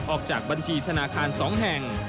ออกจากบัญชีธนาคาร๒แห่ง